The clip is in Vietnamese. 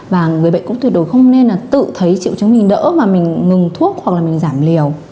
và người bệnh cũng tuyệt đối không nên là tự thấy triệu chứng mình đỡ mà mình ngừng thuốc hoặc là mình giảm liều